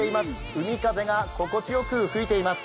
海風が心地よく吹いています。